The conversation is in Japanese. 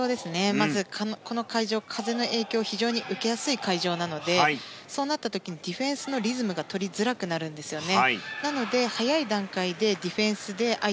まずこの会場、風の影響を非常に受けやすい会場なのでそうなった時にディフェンスのリズムが取りづらくなるんですよね。